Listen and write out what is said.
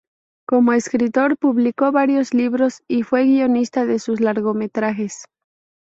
Como escritor, publicó varios libros y fue guionista de sus largometrajes.